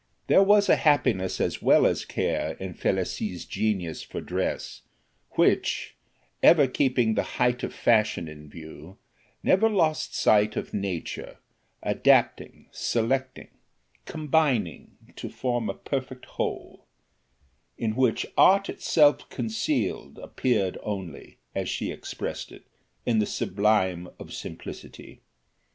There was a happiness as well as care in Felicie's genius for dress, which, ever keeping the height of fashion in view, never lost sight of nature, adapting, selecting, combining to form a perfect whole, in which art itself concealed appeared only, as she expressed it, in the sublime of simplicity.